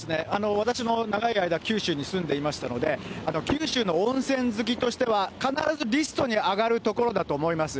私も長い間、九州に住んでいましたので、九州の温泉好きとしては、必ずリストに上がる所だと思います。